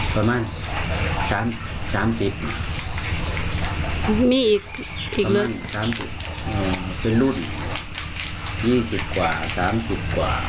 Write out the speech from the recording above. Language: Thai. ค่ะอาจารย์พี่ตั้งแต่มาแสดงในมิตรแล้วค่ะ